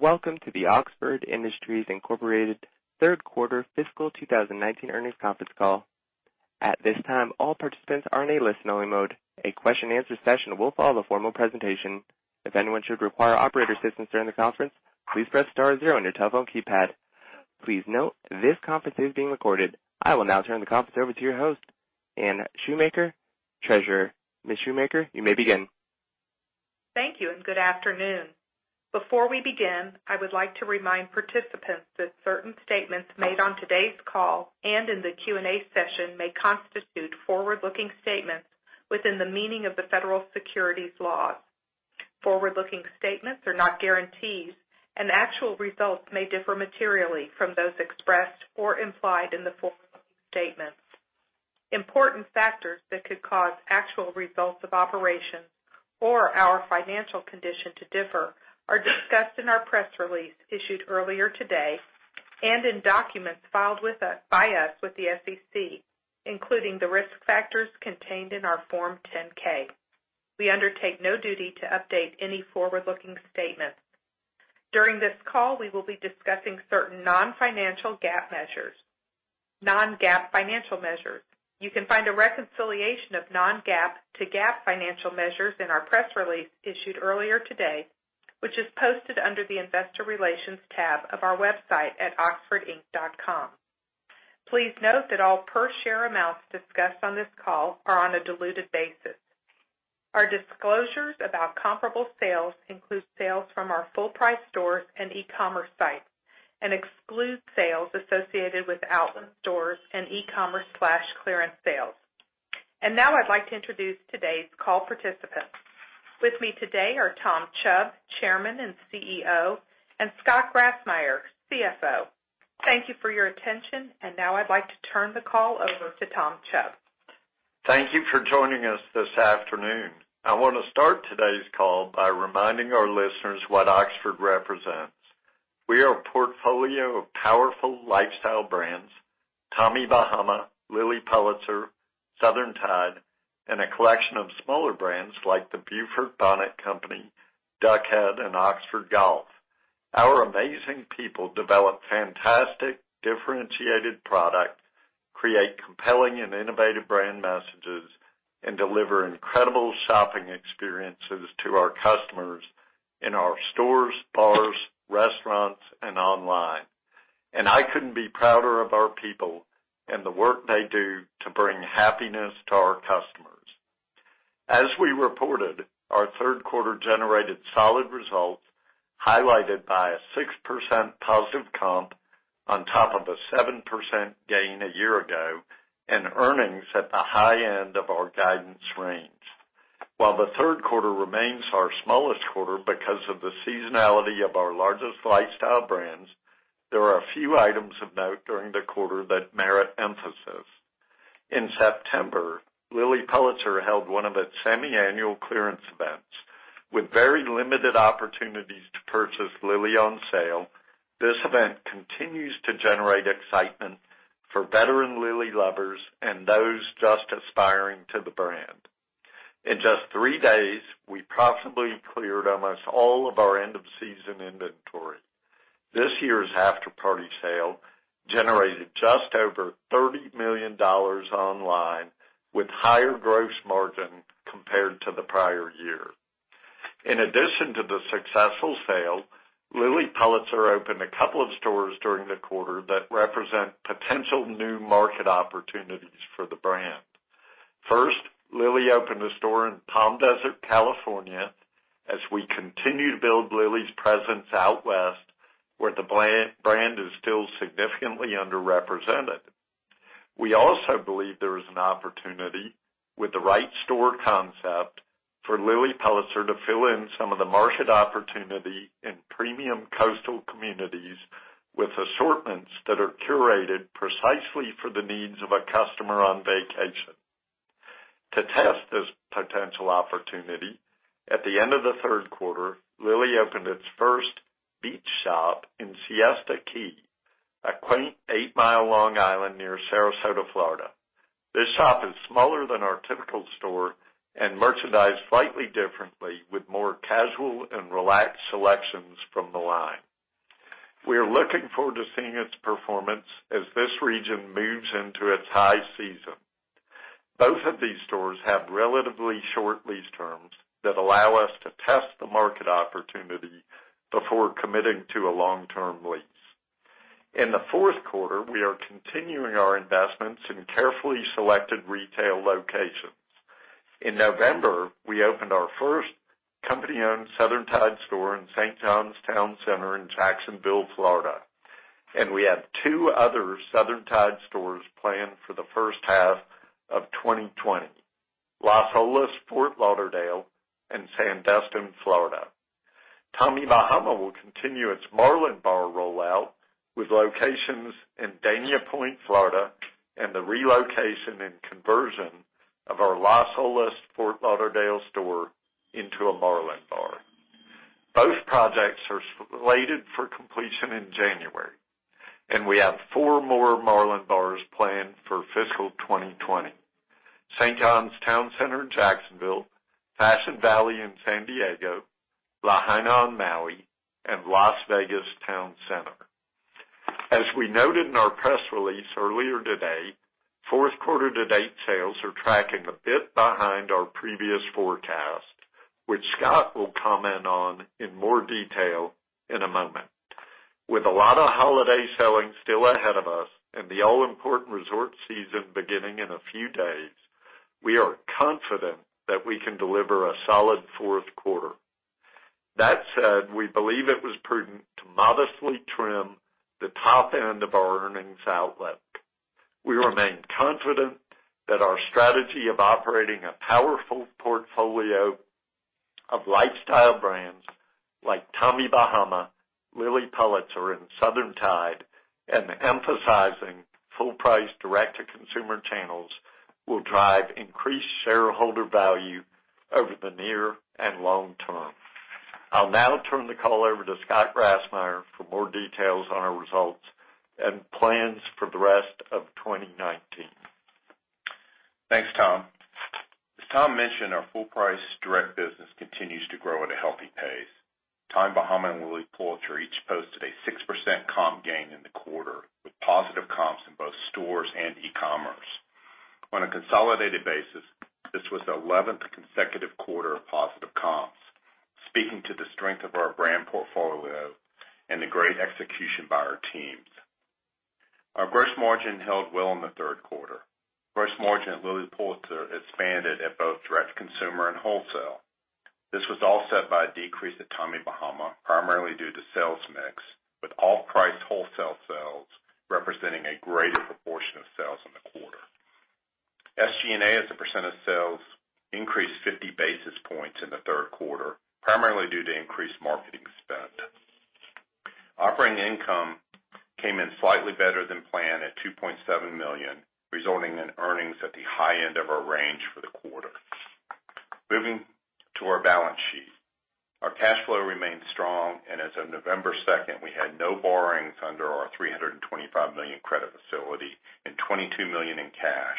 Welcome to the Oxford Industries, Inc. third quarter fiscal 2019 earnings conference call. At this time, all participants are in a listen-only mode. A question answer session will follow the formal presentation. If anyone should require operator assistance during the conference, please press star zero on your telephone keypad. Please note this conference is being recorded. I will now turn the conference over to your host, Anne Shoemaker, Treasurer. Ms. Shoemaker, you may begin. Thank you, and good afternoon. Before we begin, I would like to remind participants that certain statements made on today's call and in the Q&A session may constitute forward-looking statements within the meaning of the federal securities laws. Forward-looking statements are not guarantees, and actual results may differ materially from those expressed or implied in the forward-looking statements. Important factors that could cause actual results of operations or our financial condition to differ are discussed in our press release issued earlier today and in documents filed by us with the SEC, including the risk factors contained in our Form 10-K. We undertake no duty to update any forward-looking statements. During this call, we will be discussing certain non-GAAP financial measures. You can find a reconciliation of non-GAAP to GAAP financial measures in our press release issued earlier today, which is posted under the investor relations tab of our website at oxfordinc.com. Please note that all per share amounts discussed on this call are on a diluted basis. Our disclosures about comparable sales include sales from our full price stores and e-commerce site and excludes sales associated with outlet stores and e-commerce/clearance sales. Now I'd like to introduce today's call participants. With me today are Tom Chubb, Chairman and CEO, and Scott Grassmyer, CFO. Thank you for your attention. Now I'd like to turn the call over to Tom Chubb. Thank you for joining us this afternoon. I want to start today's call by reminding our listeners what Oxford represents. We are a portfolio of powerful lifestyle brands, Tommy Bahama, Lilly Pulitzer, Southern Tide, and a collection of smaller brands like The Beaufort Bonnet Company, Duck Head, and Oxford Golf. Our amazing people develop fantastic differentiated products, create compelling and innovative brand messages, and deliver incredible shopping experiences to our customers in our stores, bars, restaurants, and online. I couldn't be prouder of our people and the work they do to bring happiness to our customers. As we reported, our third quarter generated solid results, highlighted by a 6% positive comp on top of a 7% gain a year ago and earnings at the high end of our guidance range. While the third quarter remains our smallest quarter because of the seasonality of our largest lifestyle brands, there are a few items of note during the quarter that merit emphasis. In September, Lilly Pulitzer held one of its semi-annual clearance events. With very limited opportunities to purchase Lilly on sale, this event continues to generate excitement for veteran Lilly lovers and those just aspiring to the brand. In just three days, we profitably cleared almost all of our end-of-season inventory. This year's after-party sale generated just over $30 million online with higher gross margin compared to the prior year. In addition to the successful sale, Lilly Pulitzer opened a couple of stores during the quarter that represent potential new market opportunities for the brand. First, Lilly opened a store in Palm Desert, California, as we continue to build Lilly's presence out west, where the brand is still significantly underrepresented. We also believe there is an opportunity, with the right store concept, for Lilly Pulitzer to fill in some of the market opportunity in premium coastal communities with assortments that are curated precisely for the needs of a customer on vacation. To test this potential opportunity, at the end of the third quarter, Lilly opened its first beach shop in Siesta Key, a quaint eight-mile Long Island near Sarasota, Florida. This shop is smaller than our typical store and merchandised slightly differently with more casual and relaxed selections from the line. We are looking forward to seeing its performance as this region moves into its high season. Both of these stores have relatively short lease terms that allow us to test the market opportunity before committing to a long-term lease. In the fourth quarter, we are continuing our investments in carefully selected retail locations. In November, we opened our first company-owned Southern Tide store in St. John's Town Center in Jacksonville, Florida, and we have two other Southern Tide stores planned for the first half of 2020, Las Olas Fort Lauderdale and Sandestin, Florida. Tommy Bahama will continue its Marlin Bar rollout with locations in Dania Pointe, Florida, and the relocation and conversion of our Las Olas Fort Lauderdale store into a Marlin Bar. Both projects are slated for completion in January. We have four more Marlin Bars planned for fiscal 2020, St. John's Town Center in Jacksonville, Fashion Valley in San Diego, Lahaina on Maui, and Las Vegas Town Center. As we noted in our press release earlier today, fourth quarter to date sales are tracking a bit behind our previous forecast, which Scott will comment on in more detail in a moment. With a lot of holiday selling still ahead of us and the all-important resort season beginning in a few days, we are confident that we can deliver a solid fourth quarter. We believe it was prudent to modestly trim the top end of our earnings outlook. We remain confident that our strategy of operating a powerful portfolio of lifestyle brands like Tommy Bahama, Lilly Pulitzer, and Southern Tide, and emphasizing full price direct-to-consumer channels will drive increased shareholder value over the near and long term. I'll now turn the call over to Scott Grassmeyer for more details on our results and plans for the rest of 2019. Thanks, Tom. As Tom mentioned, our full price direct business continues to grow at a healthy pace. Tommy Bahama and Lilly Pulitzer each posted a 6% comp gain in the quarter, with positive comps in both stores and e-commerce. On a consolidated basis, this was the 11th consecutive quarter of positive comps, speaking to the strength of our brand portfolio and the great execution by our teams. Our gross margin held well in the third quarter. Gross margin at Lilly Pulitzer expanded at both direct consumer and wholesale. This was offset by a decrease at Tommy Bahama, primarily due to sales mix, with off-price wholesale sales representing a greater proportion of sales in the quarter. SG&A as a % of sales increased 50 basis points in the third quarter, primarily due to increased marketing spend. Operating income came in slightly better than planned at $2.7 million, resulting in earnings at the high end of our range for the quarter. Moving to our balance sheet. Our cash flow remains strong, and as of November 2nd, we had no borrowings under our $325 million credit facility and $22 million in cash,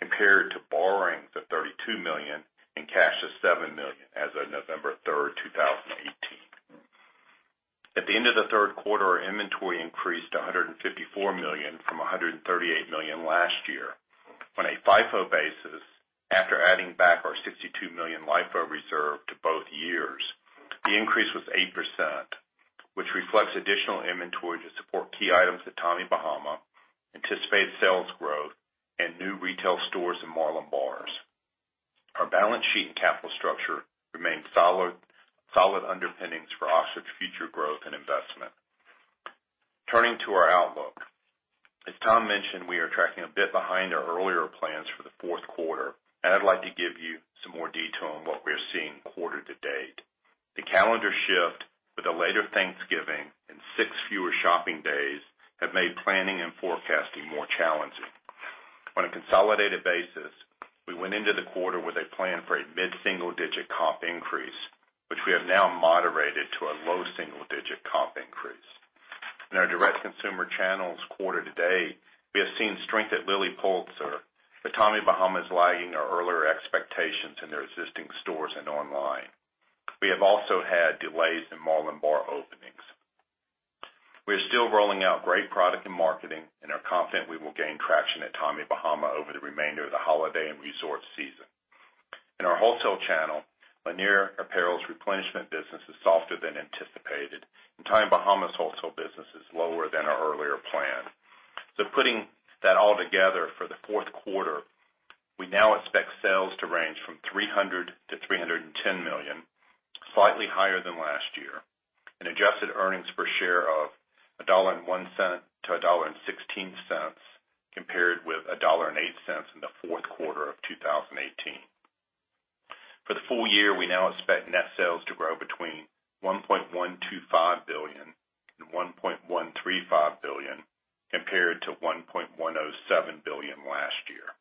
compared to borrowings of $32 million and cash to $7 million as of November 3rd, 2018. At the end of the third quarter, our inventory increased to $154 million from $138 million last year. On a FIFO basis, after adding back our $62 million LIFO reserve to both years, the increase was 8%, which reflects additional inventory to support key items at Tommy Bahama, anticipated sales growth, and new retail stores and Marlin Bars. Our balance sheet and capital structure remain solid underpinnings for Oxford's future growth and investment. Turning to our outlook. As Tom mentioned, we are tracking a bit behind our earlier plans for the fourth quarter. I'd like to give you some more detail on what we are seeing quarter to date. The calendar shift with a later Thanksgiving and six fewer shopping days have made planning and forecasting more challenging. On a consolidated basis, we went into the quarter with a plan for a mid-single digit comp increase, which we have now moderated to a low single digit comp increase. In our direct-to-consumer channels quarter to date, we have seen strength at Lilly Pulitzer, but Tommy Bahama is lagging our earlier expectations in their existing stores and online. We have also had delays in Marlin Bar openings. We are still rolling out great product and marketing and are confident we will gain traction at Tommy Bahama over the remainder of the holiday and resort season. In our wholesale channel, Lanier Apparel's replenishment business is softer than anticipated. Tommy Bahama's wholesale business is lower than our earlier plan. Putting that all together, for the fourth quarter, we now expect sales to range from $300 million-$310 million, slightly higher than last year, and adjusted earnings per share of $1.01-$1.16 compared with $1.08 in the fourth quarter of 2018. For the full year, we now expect net sales to grow between $1.125 billion and $1.135 billion, compared to $1.107 billion last year.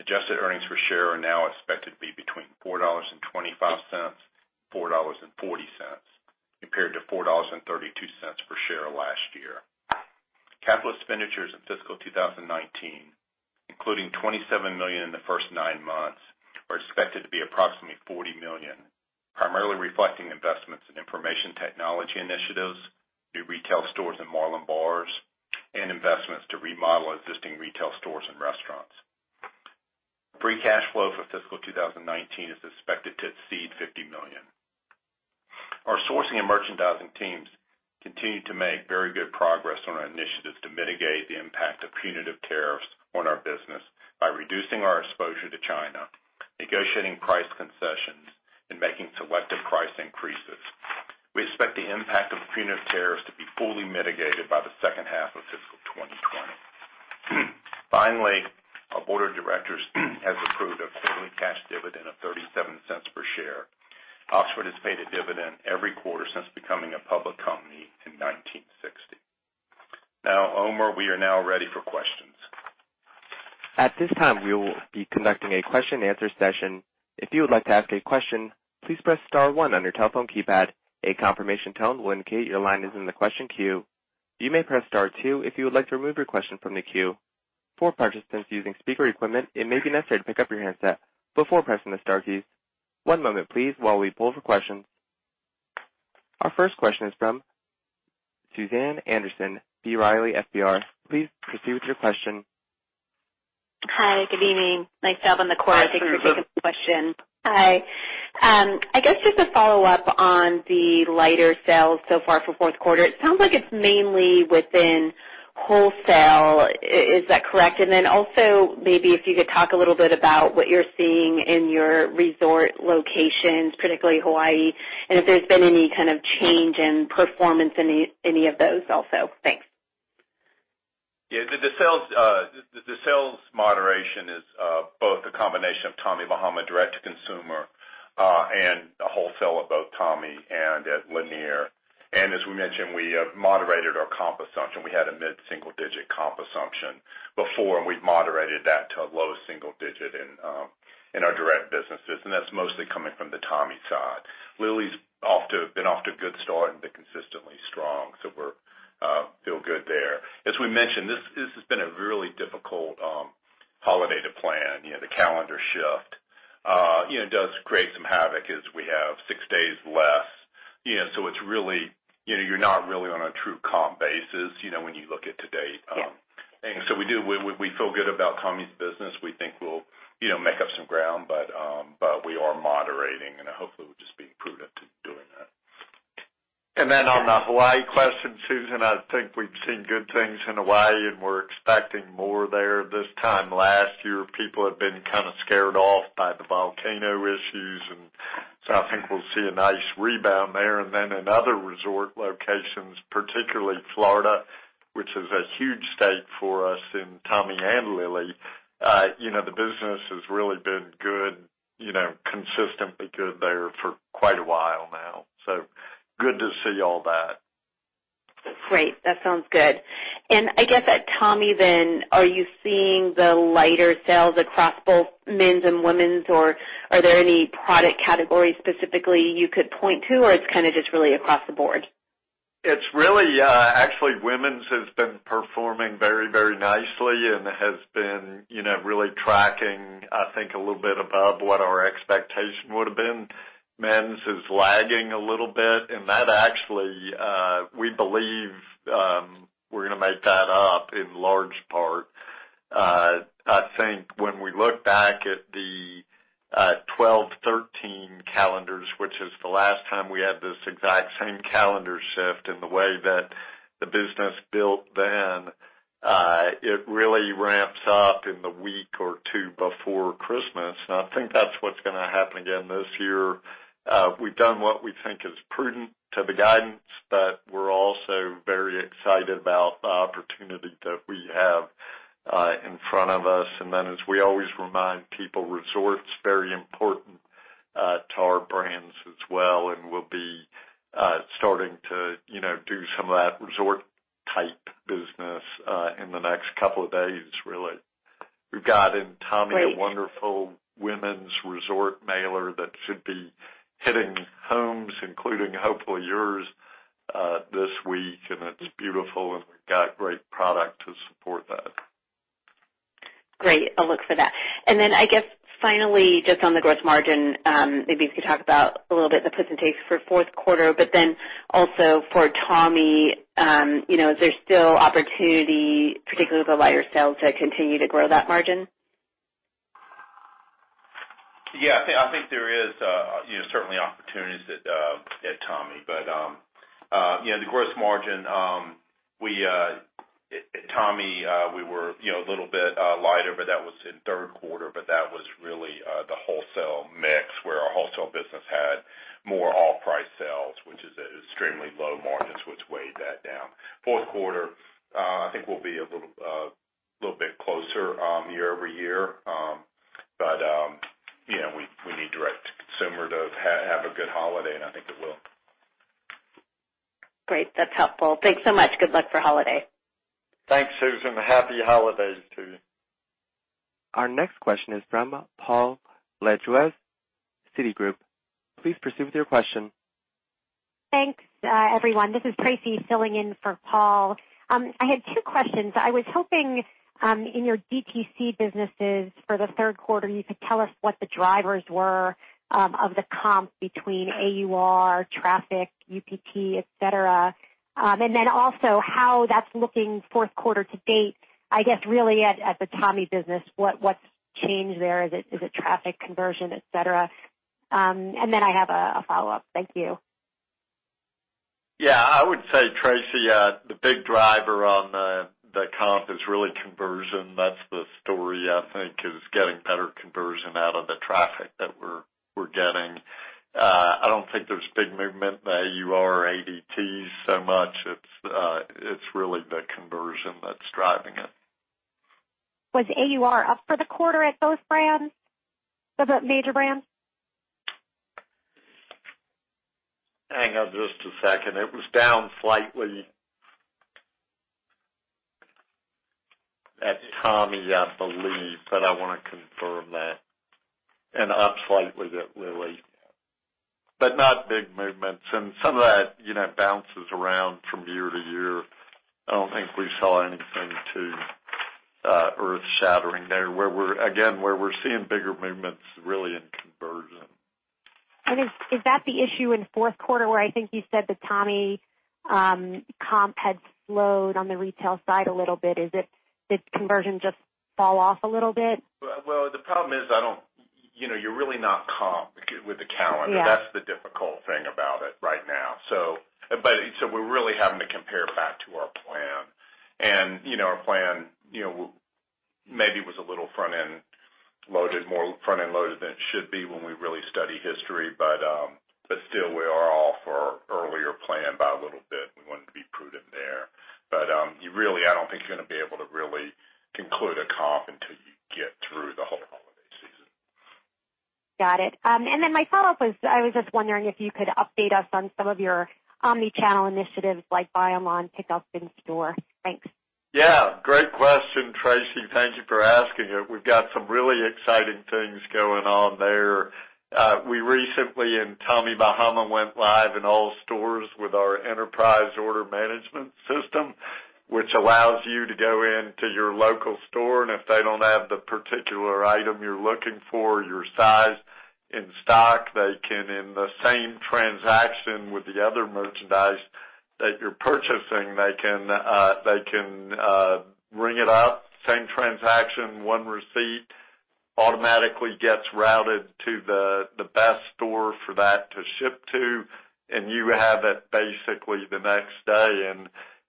Adjusted earnings per share are now expected to be between $4.25-$4.40, compared to $4.32 per share last year. Capital expenditures in fiscal 2019, including $27 million in the first nine months, are expected to be approximately $40 million, primarily reflecting investments in information technology initiatives, new retail stores and Marlin Bars, and investments to remodel existing retail stores and restaurants. Free cash flow for fiscal 2019 is expected to exceed $50 million. Our sourcing and merchandising teams continue to make very good progress on our initiatives to mitigate the impact of punitive tariffs on our business by reducing our exposure to China, negotiating price concessions, and making selective price increases. We expect the impact of punitive tariffs to be fully mitigated by the second half of fiscal 2020. Finally, our board of directors has approved a quarterly cash dividend of $0.37 per share. Oxford has paid a dividend every quarter since becoming a public company in 1960. Now, Omer, we are now ready for questions. At this time, we will be conducting a question and answer session. If you would like to ask a question, please press star one on your telephone keypad. A confirmation tone will indicate your line is in the question queue. You may press star two if you would like to remove your question from the queue. For participants using speaker equipment, it may be necessary to pick up your handset before pressing the star keys. One moment please while we pull for questions. Our first question is from Susan Anderson, B. Riley FBR. Please proceed with your question. Hi, good evening. Nice job on the quarter. Hi, Susan. Thanks for taking the question. Hi. I guess just a follow-up on the lighter sales so far for fourth quarter. It sounds like it's mainly within wholesale. Is that correct? Also maybe if you could talk a little bit about what you're seeing in your resort locations, particularly Hawaii, and if there's been any kind of change in performance in any of those also. Thanks. The sales moderation is both a combination of Tommy Bahama direct-to-consumer, and the wholesale at both Tommy and at Lanier. As we mentioned, we have moderated our comp assumption. We had a mid-single-digit comp assumption before, and we've moderated that to a low-single-digit in our direct businesses, and that's mostly coming from the Tommy side. Lilly's been off to a good start and been consistently strong, we feel good there. As we mentioned, this has been a really difficult holiday to plan. The calendar shift. It does create some havoc as we have six days less. You're not really on a true comp basis, when you look at to date. Yeah. We feel good about Tommy's business. We think we'll make up some ground, but we are moderating, and hopefully we'll just be prudent in doing that. On the Hawaii question, Susan, I think we've seen good things in Hawaii, and we're expecting more there. This time last year, people had been kind of scared off by the volcano issues, and so I think we'll see a nice rebound there. In other resort locations, particularly Florida, which is a huge state for us in Tommy and Lilly. The business has really been good, consistently good there for quite a while now. Good to see all that. Great. That sounds good. I guess at Tommy then, are you seeing the lighter sales across both men's and women's, or are there any product categories specifically you could point to, or it's just really across the board? It's really, actually, women's has been performing very, very nicely and has been really tracking, I think, a little bit above what our expectation would've been. Men's is lagging a little bit, and that actually, we believe, we're gonna make that up in large part. I think when we look back at the 2012, 2013 calendars, which is the last time we had this exact same calendar shift in the way that the business built then, it really ramps up in the week or two before Christmas, and I think that's what's gonna happen again this year. We've done what we think is prudent to the guidance, but we're also very excited about the opportunity that we have in front of us. As we always remind people, resort's very important to our brands as well, and we'll be starting to do some of that resort type business in the next couple of days, really. We've got in Tommy- Great A wonderful women's resort mailer that should be hitting homes, including hopefully yours, this week. It's beautiful. We've got great product to support that. Great. I'll look for that. I guess finally, just on the gross margin, maybe if you could talk about a little bit the puts and takes for fourth quarter, but then also for Tommy, is there still opportunity, particularly with the lighter sales, to continue to grow that margin? Yeah. I think there is certainly opportunities at Tommy. The gross margin, at Tommy, we were a little bit lighter, but that was in third quarter, but that was really the wholesale mix where our wholesale business had more off-price sales, which is extremely low margins, which weighed that down. Fourth quarter, I think we'll be a little bit closer year-over-year. We need direct-to-consumer to have a good holiday, and I think it will. Great. That's helpful. Thanks so much. Good luck for holiday. Thanks, Susan. Happy holidays to you. Our next question is from Paul Lejuez, Citigroup. Please proceed with your question. Thanks, everyone. This is Tracy filling in for Paul. I had two questions. I was hoping, in your DTC businesses for the third quarter, you could tell us what the drivers were of the comp between AUR, traffic, UPT, et cetera. Also how that's looking fourth quarter to date, I guess really at the Tommy business, what's changed there? Is it traffic conversion, et cetera? I have a follow-up. Thank you. I would say, Tracy, the big driver on the comp is really conversion. That's the story, I think, is getting better conversion out of the traffic that we're getting. I don't think there's big movement in the AUR ADT so much. It's really the conversion that's driving it. Was AUR up for the quarter at both brands? The major brands? Hang on just a second. It was down slightly at Tommy, I believe, but I want to confirm that. Up slightly at Lilly. Not big movements. Some of that bounces around from year to year. I don't think we saw anything too earth-shattering there. Again, where we're seeing bigger movements really in conversion. Is that the issue in fourth quarter where I think you said that Tommy comp had slowed on the retail side a little bit? Did conversion just fall off a little bit? Well, the problem is you're really not comped with the calendar. Yeah. That's the difficult thing about it right now. We're really having to compare back to our plan. Our plan maybe was a little more front-end loaded than it should be when we really study history. Still, we are off our earlier plan by a little bit. We wanted to be prudent there. Really, I don't think you're going to be able to really conclude a comp until you get through the whole holiday season. Got it. My follow-up was, I was just wondering if you could update us on some of your omnichannel initiatives, like buy online, pick up in store. Thanks. Yeah, great question, Tracy. Thank you for asking it. We've got some really exciting things going on there. We recently, in Tommy Bahama, went live in all stores with our enterprise order management system. Which allows you to go into your local store, and if they don't have the particular item you're looking for, your size in stock, they can, in the same transaction with the other merchandise that you're purchasing, they can ring it up, same transaction, one receipt. Automatically gets routed to the best store for that to ship to. You have it basically the next day.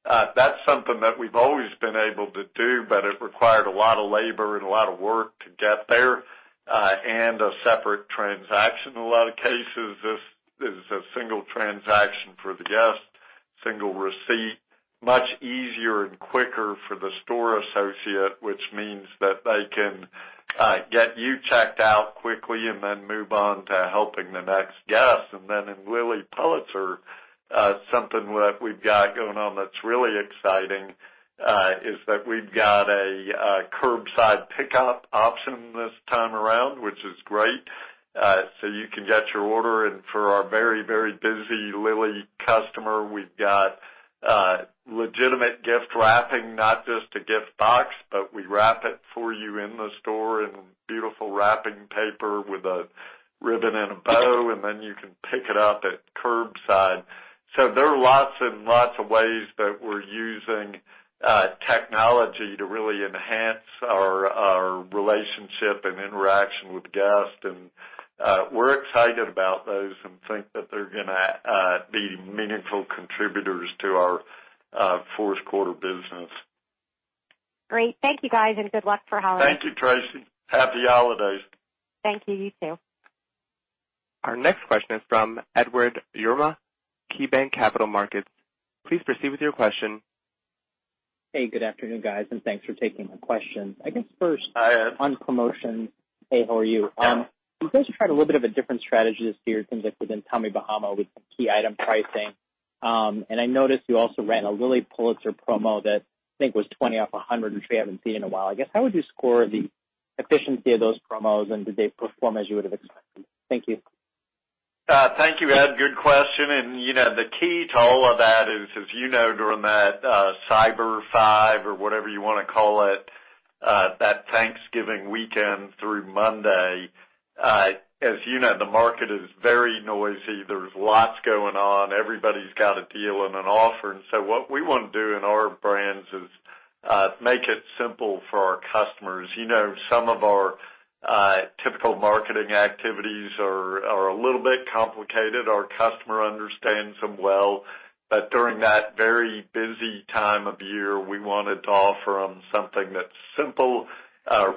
That's something that we've always been able to do, but it required a lot of labor and a lot of work to get there. A separate transaction in a lot of cases. This is a single transaction for the guest, single receipt. Much easier and quicker for the store associate, which means that they can get you checked out quickly and then move on to helping the next guest. In Lilly Pulitzer, something that we've got going on that's really exciting, is that we've got a curbside pickup option this time around, which is great. You can get your order. For our very busy Lilly customer, we've got legitimate gift wrapping. Not just a gift box, but we wrap it for you in the store in beautiful wrapping paper with a ribbon and a bow. You can pick it up at curbside. There are lots and lots of ways that we're using technology to really enhance our relationship and interaction with guests. We're excited about those and think that they're going to be meaningful contributors to our fourth quarter business. Great. Thank you, guys, and good luck for holidays. Thank you, Tracy. Happy holidays. Thank you. You too. Our next question is from Edward Yruma, KeyBanc Capital Markets. Please proceed with your question. Hey, good afternoon, guys, and thanks for taking my questions. Hi, Ed. On promotion. Hey, how are you. Yeah. You guys are trying a little bit of a different strategy this year, it seems like within Tommy Bahama with some key item pricing. I noticed you also ran a Lilly Pulitzer promo that I think was $20 off $100, which we haven't seen in a while, I guess. How would you score the efficiency of those promos, and did they perform as you would have expected? Thank you. Thank you, Ed. Good question. The key to all of that is, as you know, during that Cyber Five or whatever you want to call it, that Thanksgiving weekend through Monday, as you know, the market is very noisy. There's lots going on. Everybody's got a deal and an offer. What we want to do in our brands is make it simple for our customers. Some of our typical marketing activities are a little bit complicated. Our customer understands them well. During that very busy time of year, we wanted to offer them something that's simple,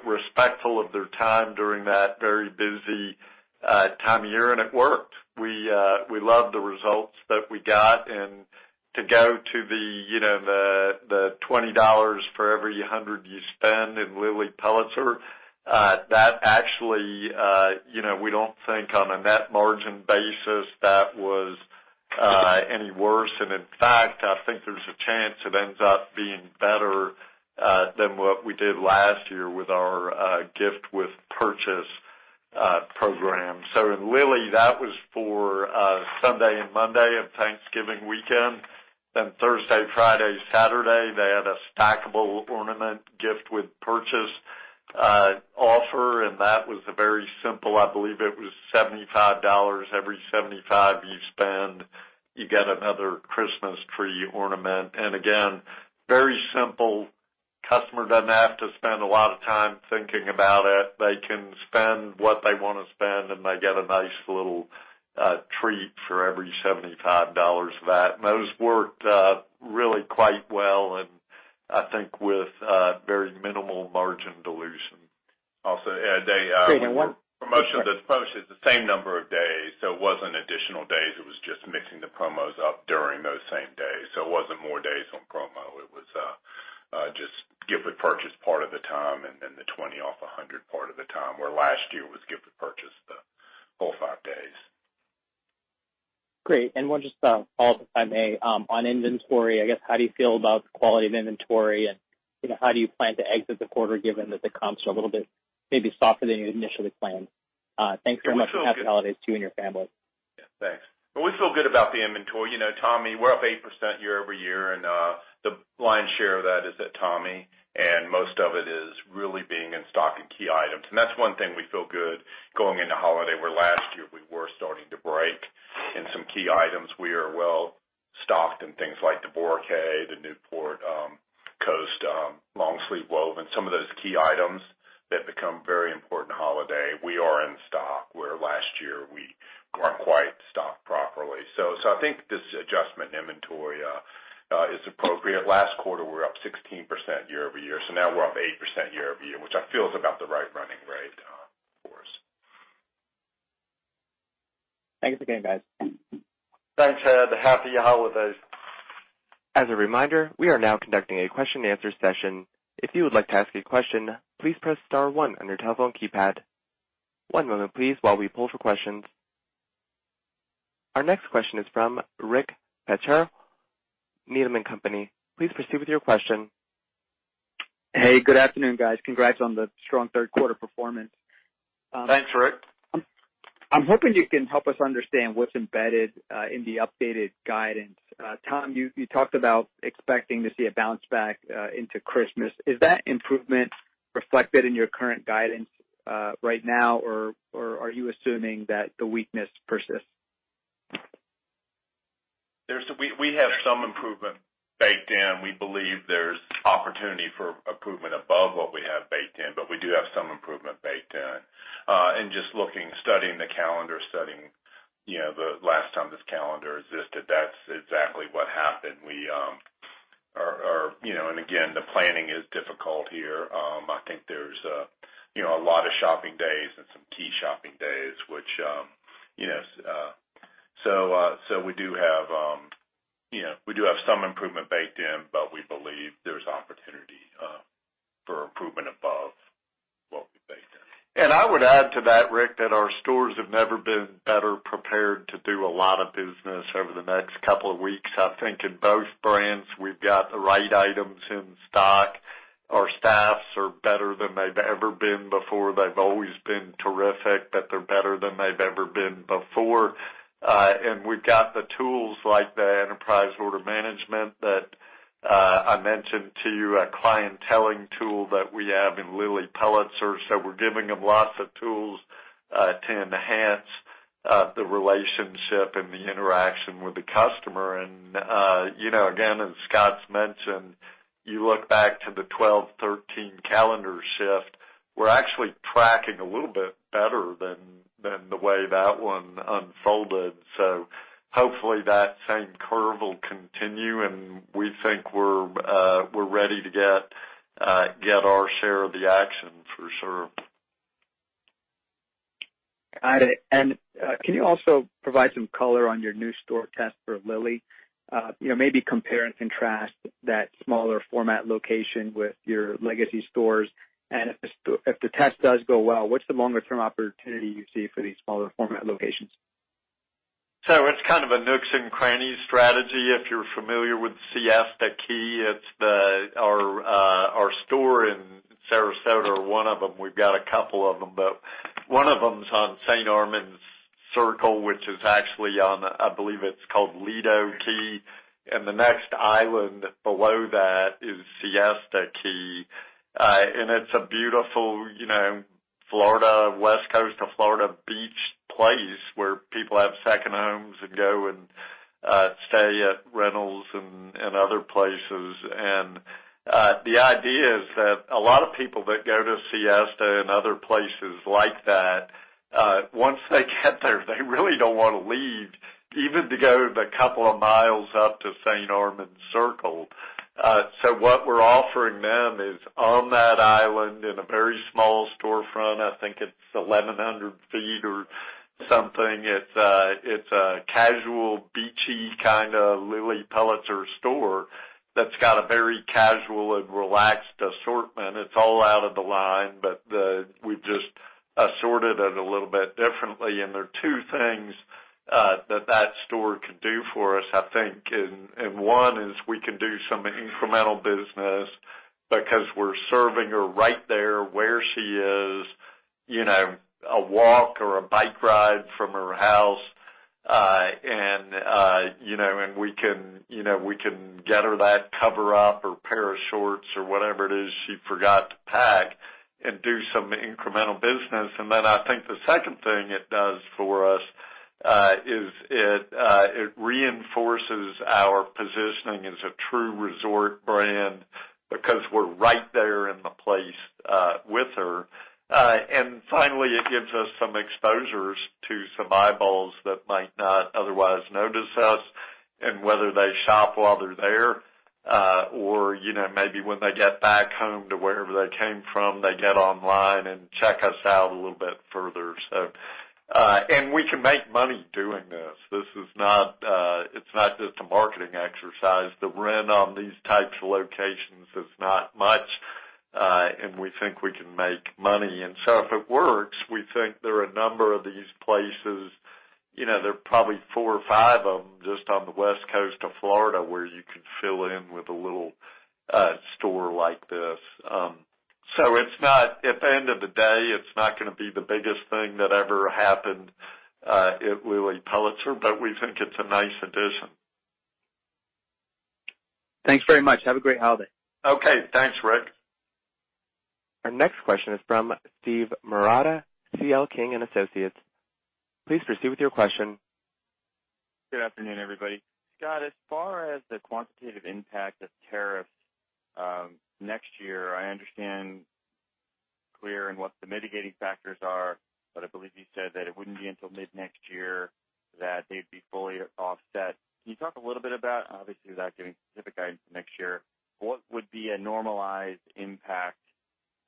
respectful of their time during that very busy time of year. It worked. We loved the results that we got. To go to the $20 for every $100 you spend in Lilly Pulitzer, that actually, we don't think on a net margin basis, that was any worse. In fact, I think there's a chance it ends up being better than what we did last year with our gift with purchase program. In Lilly, that was for Sunday and Monday of Thanksgiving weekend. Thursday, Friday, Saturday, they had a stackable ornament gift with purchase offer, that was a very simple, I believe it was $75. Every $75 you spend, you get another Christmas tree ornament. Again, very simple. Customer doesn't have to spend a lot of time thinking about it. They can spend what they want to spend, and they get a nice little treat for every $75 of that. Also, Ed. Great. Promotions the same number of days. It wasn't additional days. It was just mixing the promos up during those same days. It wasn't more days on promo. Just gift with purchase part of the time, and then the $20 off $100 part of the time, where last year was gift with purchase the whole five days. Great. One just follow up, if I may, on inventory, I guess, how do you feel about the quality of inventory and how do you plan to exit the quarter, given that the comps are a little bit maybe softer than you initially planned? Thanks very much and happy holidays to you and your family. Yeah, thanks. Well, we feel good about the inventory. Tommy, we're up 8% year-over-year. The lion's share of that is at Tommy. Most of it is really being in stock in key items. That's one thing we feel good going into holiday, where last year we were starting to break. In some key items, we are well-stocked in things like the Boracay, the Newport Coast, Long Sleeve Woven, some of those key items that become very important holiday. We are in stock, where last year we weren't quite stocked properly. I think this adjustment in inventory is appropriate. Last quarter, we were up 16% year-over-year. Now we're up 8% year-over-year, which I feel is about the right running rate for us. Thanks again, guys. Thanks, Ed. Happy holidays. As a reminder, we are now conducting a question and answer session. If you would like to ask a question, please press star one on your telephone keypad. One moment please while we pull for questions. Our next question is from Rick Petrar, Needham & Company. Please proceed with your question. Hey, good afternoon, guys. Congrats on the strong third quarter performance. Thanks, Rick. I'm hoping you can help us understand what's embedded in the updated guidance. Tom, you talked about expecting to see a bounce back into Christmas. Is that improvement reflected in your current guidance right now, or are you assuming that the weakness persists? We have some improvement baked in. We believe there's opportunity for improvement above what we have baked in, but we do have some improvement baked in. Just looking, studying the calendar, studying the last time this calendar existed, that's exactly what happened. Again, the planning is difficult here. I think there's a lot of shopping days and some key shopping days, so we do have some improvement baked in, but we believe there's opportunity for improvement above what we've baked in. I would add to that, Rick, that our stores have never been better prepared to do a lot of business over the next couple of weeks. I think in both brands, we've got the right items in stock. Our staffs are better than they've ever been before. They've always been terrific, but they're better than they've ever been before. We've got the tools like the enterprise order management that I mentioned to you, a clienteling tool that we have in Lilly Pulitzer. We're giving them lots of tools to enhance the relationship and the interaction with the customer. Again, as Scott's mentioned, you look back to the 2012, 2013 calendar shift, we're actually tracking a little bit better than the way that one unfolded. Hopefully, that same curve will continue, and we think we're ready to get our share of the action for sure. Got it. Can you also provide some color on your new store test for Lilly? Maybe compare and contrast that smaller format location with your legacy stores. If the test does go well, what's the longer-term opportunity you see for these smaller format locations? It's kind of a nooks and crannies strategy, if you're familiar with Siesta Key. It's our store in Sarasota, one of them. We've got a couple of them, but one of them is on St. Armand's Circle, which is actually on, I believe it's called Lido Key. The next island below that is Siesta Key. It's a beautiful west coast of Florida beach place where people have second homes and go and stay at rentals and other places. The idea is that a lot of people that go to Siesta and other places like that, once they get there, they really don't want to leave, even to go the couple of miles up to St. Armand's Circle. What we're offering them is on that island in a very small storefront, I think it's 1,100 feet or something. It's a casual, beachy kind of Lilly Pulitzer store that's got a very casual and relaxed assortment. It's all out of the line, but we've just assorted it a little bit differently. There are two things that that store can do for us, I think. One is we can do some incremental business because we're serving her right there where she is, a walk or a bike ride from her house. We can get her that cover-up or pair of shorts or whatever it is she forgot to pack and do some incremental business. Then I think the second thing it does for us, is it reinforces our positioning as a true resort brand because we're right there in the place with her. Finally, it gives us some exposures to some eyeballs that might not otherwise notice us, and whether they shop while they're there, or maybe when they get back home to wherever they came from, they get online and check us out a little bit further. We can make money doing this. It's not just a marketing exercise. The rent on these types of locations is not much, and we think we can make money. If it works, we think there are a number of these places. There are probably four or five of them just on the West Coast of Florida, where you could fill in with a little store like this. At the end of the day, it's not going to be the biggest thing that ever happened at Lilly Pulitzer, but we think it's a nice addition. Thanks very much. Have a great holiday. Okay. Thanks, Rick. Our next question is from Steve Marotta, C.L. King & Associates. Please proceed with your question. Good afternoon, everybody. Scott, as far as the quantitative impact of tariffs, next year, I understand clear in what the mitigating factors are, but I believe you said that it wouldn't be until mid-next year that they'd be fully offset. Can you talk a little bit about, obviously, without giving specific guidance for next year, what would be a normalized impact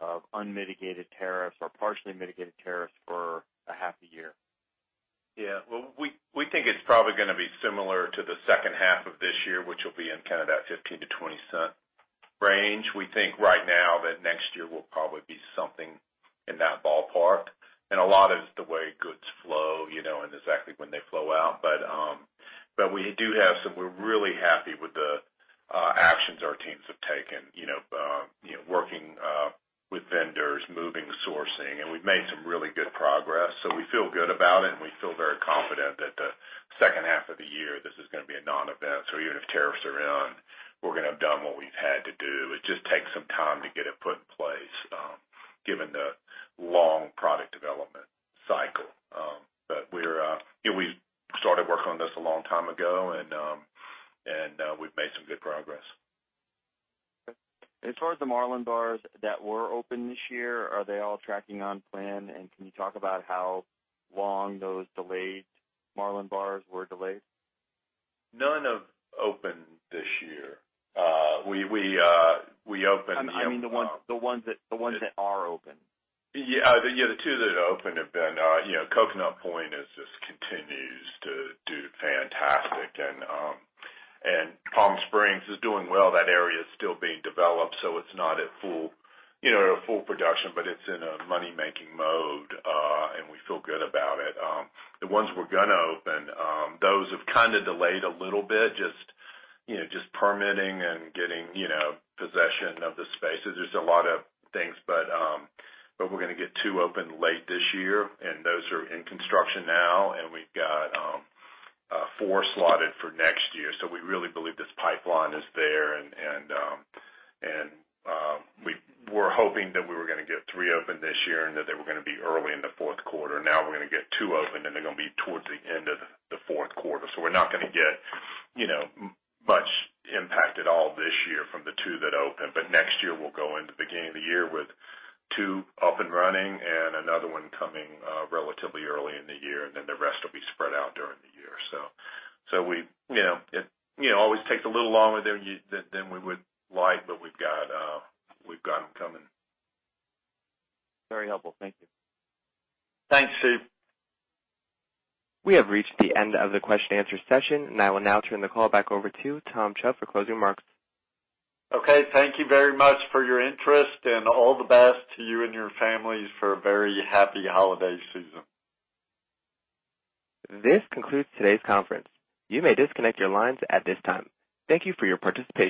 of unmitigated tariffs or partially mitigated tariffs for a half a year? Well, we think it's probably going to be similar to the second half of this year, which will be in kind of that $0.15-$0.20 range. We think right now that next year will probably be something in that ballpark, and a lot is the way goods flow, and exactly when they flow out. We're really happy with the actions our teams have taken. Working with vendors, moving sourcing, and we've made some really good progress. We feel good about it, and we feel very confident that the second half of the year, this is going to be a non-event. Even if tariffs are in, we're going to have done what we've had to do. It just takes some time to get it put in place, given the long product development cycle. We started work on this a long time ago, and we've made some good progress. As far as the Marlin Bars that were open this year, are they all tracking on plan? Can you talk about how long those delayed Marlin Bars were delayed? None have opened this year. I mean, the ones that are open. Yeah. The two that opened have been, Coconut Point just continues to do fantastic. Palm Springs is doing well. That area is still being developed, so it's not at full production, but it's in a money-making mode. We feel good about it. The ones we're gonna open, those have kind of delayed a little bit, just permitting and getting possession of the spaces. There's a lot of things, but we're gonna get two open late this year, and those are in construction now and we've got four slotted for next year. We really believe this pipeline is there and, we were hoping that we were going to get three open this year and that they were going to be early in the fourth quarter. Now we're going to get two open and they're going to be towards the end of the fourth quarter. We're not going to get much impact at all this year from the two that open. Next year, we'll go into the beginning of the year with two up and running and another one coming relatively early in the year, and then the rest will be spread out during the year. It always takes a little longer than we would like, but we've got them coming. Very helpful. Thank you. Thanks, Steve. We have reached the end of the question and answer session, and I will now turn the call back over to Tom Chubb for closing remarks. Okay. Thank you very much for your interest and all the best to you and your families for a very happy holiday season. This concludes today's conference. You may disconnect your lines at this time. Thank you for your participation.